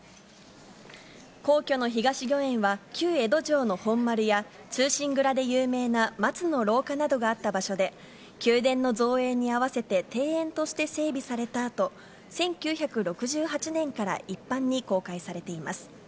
皇居の東御苑は、旧江戸城の本丸や忠臣蔵で有名な松の廊下などがあった場所で、宮殿の造園にあわせて庭園として整備されたあと、１９６８年から一般に公開されています。